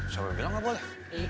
sama bilang gak boleh